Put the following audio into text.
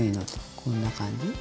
こんな感じ？